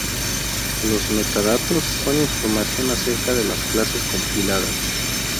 Los metadatos son información acerca de las clases compiladas.